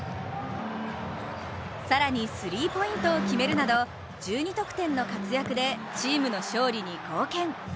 更にスリーポイントを決めるなど１２得点の活躍でチームの勝利に貢献。